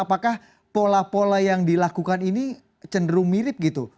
apakah pola pola yang dilakukan ini cenderung mirip gitu